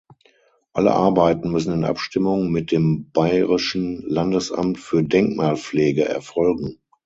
Alle Arbeiten müssen in Abstimmung mit dem Bayerischen Landesamt für Denkmalpflege erfolgen.